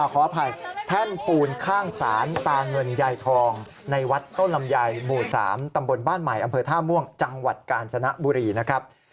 ขออภัยแท่นปูนข้างศาลตาเงินยายทองในวัดต้นลำไยหมู่๓ตำบลบ้านใหม่อำเภอท่าม่วงจังหวัดกาญจนบุรีนะครับ